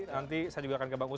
nanti saya juga akan berbicara